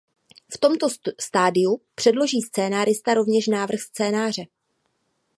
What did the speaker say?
V tomto stadiu předloží scenárista rovněž návrh scénáře.